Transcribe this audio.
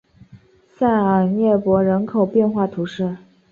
塞尔涅博人口变化图示